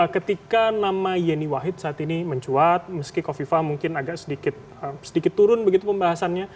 ketika nama yeni wahid saat ini mencuat meski kofifa mungkin agak sedikit turun begitu pembahasannya